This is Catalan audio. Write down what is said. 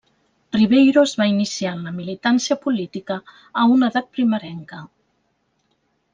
Ribeiro es va iniciar en la militància política a una edat primerenca.